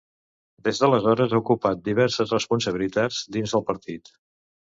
Des d'aleshores, ha ocupat diverses responsabilitats dins del partit.